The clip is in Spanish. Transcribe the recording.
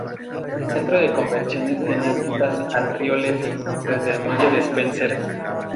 El centro de convenciones tiene vistas al río Liffey, desde el muelle de Spencer.